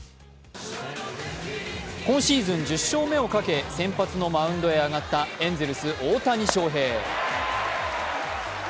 今シーズン１０勝目をかけ先発のマウンドへと上がったエンゼルス・大谷翔平。